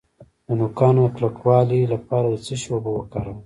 د نوکانو د کلکوالي لپاره د څه شي اوبه وکاروم؟